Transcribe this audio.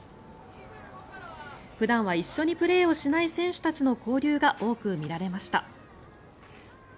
普段は一緒にプレーをしない選手たちの交流が多くみられました。